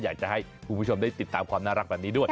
อยากจะให้คุณผู้ชมได้ติดตามความน่ารักแบบนี้ด้วย